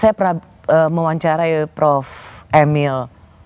saya pernah mewawancarai prof emil